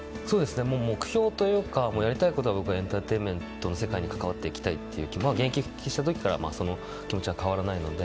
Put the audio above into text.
目標というかやりたいことは、僕エンターテインメントの世界に関わっていきたいという現役復帰した時からその気持ちは変わらないので。